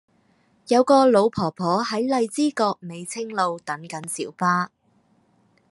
有個老婆婆喺荔枝角美青路等緊小巴